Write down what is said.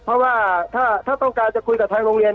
เพราะว่าถ้าต้องการจะคุยกับทางโรงเรียน